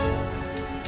kita jadi spray barok